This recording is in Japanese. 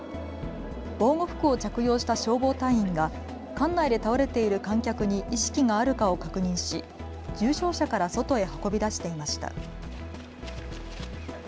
防護服を着用した消防隊員が館内で倒れている観客に意識があるかを確認し、重症者から外へ運び出していました。